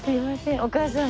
お母さんが。